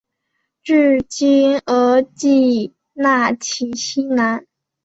治今额济纳旗西南。